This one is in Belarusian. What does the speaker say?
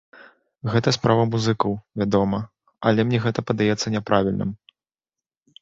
Гэта справа музыкаў, вядома, але мне гэта падаецца няправільным.